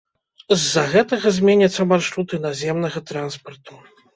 З-за гэтага зменяцца маршруты наземнага транспарту.